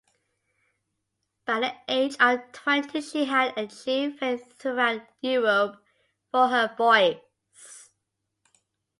By the age of twenty she had achieved fame throughout Europe for her voice.